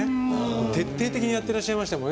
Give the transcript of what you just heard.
徹底的にやってらっしゃいましたもんね。